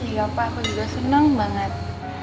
iya pak aku juga senang banget